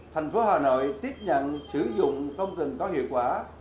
thành phố hà nội tiếp nhận sử dụng công trình có hiệu quả